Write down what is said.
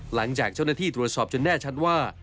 หลังจากเจ้าหน้าที่ตรวจสอบจนแน่ชัดว่า